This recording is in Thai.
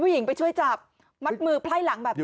หญิงไปช่วยจับมัดมือไพ่หลังแบบนี้